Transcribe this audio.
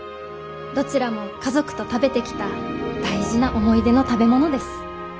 どちらも家族と食べてきた大事な思い出の食べ物です。